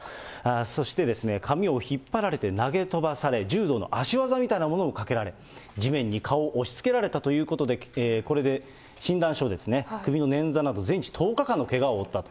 そして髪を引っ張られて投げ飛ばされ、柔道の足技みたいなものをかけられ、地面に顔を押しつけられたということで、これで診断書ですね、首の捻挫など全治１０日間のけがを負ったと。